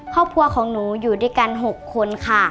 ครอบครัวของหนูอยู่ด้วยกัน๖คนค่ะ